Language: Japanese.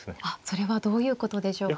それはどういうことでしょうか。